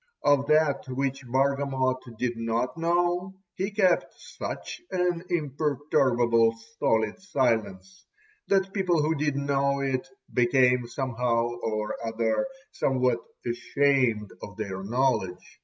Of that which Bargamot did not know he kept such an imperturbably stolid silence, that people who did know it became somehow or other somewhat ashamed of their knowledge.